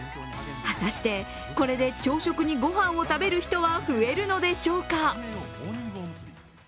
果たして、これで朝食に御飯を食べる人は増えるのでしょうか。